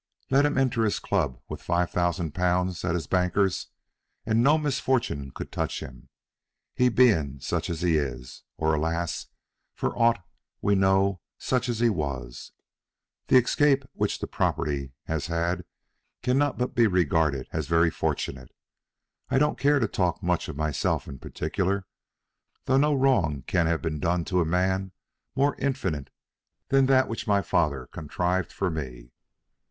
Let him enter his club with five thousand pounds at his banker's and no misfortune could touch him. He being such as he is, or, alas! for aught we know, such as he was, the escape which the property has had cannot but be regarded as very fortunate. I don't care to talk much of myself in particular, though no wrong can have been done to a man more infinite than that which my father contrived for me."